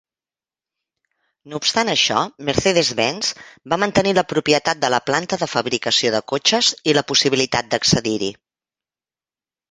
No obstant això, Mercedes-Benz va mantenir la propietat de la planta de fabricació de cotxes i la possibilitat d'accedir-hi.